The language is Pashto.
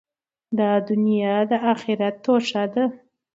دا دؤنیا د آخرت توښه ده.